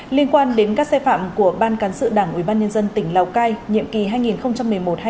liên quan đến các xe phạm của ban cán sự đảng ủy ban nhân dân tỉnh lào cai